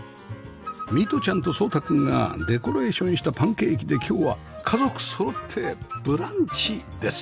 弥杜ちゃんと奏詠くんがデコレーションしたパンケーキで今日は家族そろってブランチです